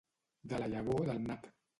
De la llavor del nap.